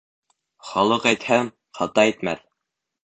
Халыҡ әйтһә, хата әйтмәҫ.